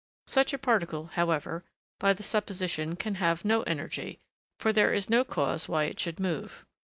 Such a particle, however, by the supposition, can have no energy, for there is no cause why it should move.